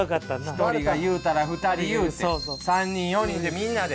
１人が言うたら２人言うて３人４人でみんなで。